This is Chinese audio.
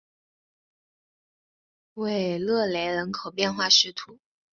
维勒雷人口变化图示